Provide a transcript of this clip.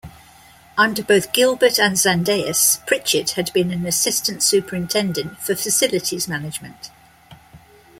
Under both Gilbert and Zendejas, Pritchett had been an assistant superintendent for facilities management.